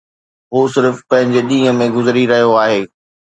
هو صرف پنهنجي ڏينهن ۾ گذري رهيو آهي